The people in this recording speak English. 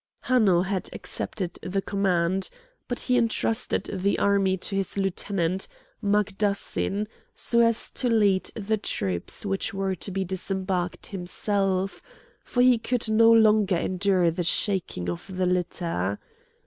Hanno had accepted the command; but he intrusted the army to his lieutenant, Magdassin, so as to lead the troops which were to be disembarked himself, for he could no longer endure the shaking of the litter.